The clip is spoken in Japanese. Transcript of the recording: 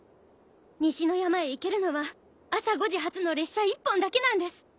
西の山へ行けるのは朝５時発の列車一本だけなんです。